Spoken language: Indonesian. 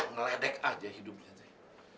keredek aja hidupnya teh